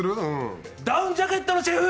ダウンジャケットのシェフ！